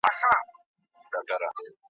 څه دولت به هم ترلاسه په ریشتیا کړې .